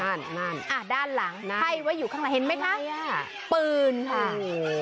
นั่นนั่นอ่าด้านหลังนั่นให้ไว้อยู่ข้างละเห็นไหมคะปืนค่ะโอ้โห